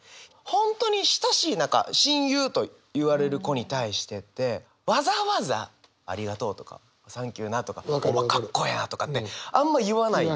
本当に親しい仲親友といわれる子に対してってわざわざ「ありがとう」とか「サンキューな」とか「お前かっこええな」とかってあんま言わない。